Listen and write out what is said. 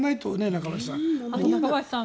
中林さん